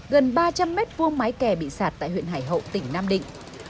gần ba trăm linh mét vuông mái kè bị sạt tại huyện hải hậu tỉnh nam định